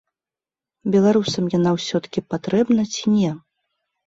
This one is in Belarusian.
Беларусам яна ўсё-ткі патрэбна ці не?